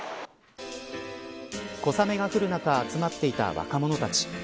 小雨が降る中集まっていた若者たち。